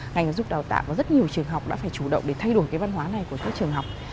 ngành giáo dục đào tạo và rất nhiều trường học đã phải chủ động để thay đổi cái văn hóa này của các trường học